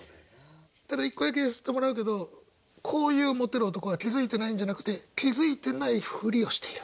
ただ１個だけ言わせてもらうけどこういうモテる男は気付いてないんじゃなくて気付いてないふりをしている。